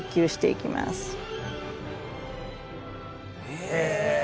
へえ。